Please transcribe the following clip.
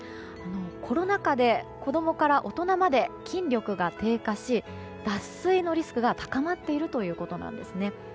コロナ禍で子供から大人まで筋力が低下し脱水のリスクが高まっているということなんですね。